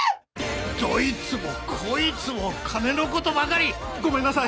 どいつもこいつも金のことばかりごめんなさい